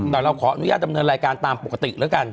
แต่เราขออนุญาตดำเนินรายการตามปกติแล้วกัน